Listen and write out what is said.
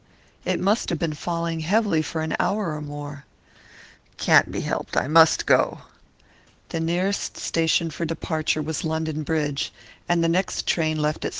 'It must have been falling heavily for an hour or more.' 'Can't be helped; I must go.' The nearest station for departure was London Bridge, and the next train left at 7.